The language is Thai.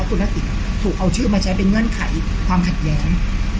คุณทักษิณถูกเอาชื่อมาใช้เป็นเงื่อนไขความขัดแย้ง